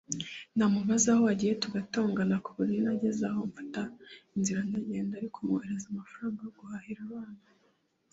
namubaza aho wagiye tugatongana ku buryo nageze aho mfata inzira ndagenda ariko mwoherereza amafaranga yo guhahira abana